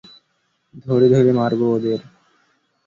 ধরে ধরে মারব ওদের।